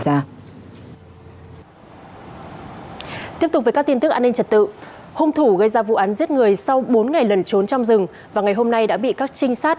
tiếp tục với các tin tức an ninh trật tự hung thủ gây ra vụ án giết người sau bốn ngày lần trốn trong rừng và ngày hôm nay đã bị các trinh sát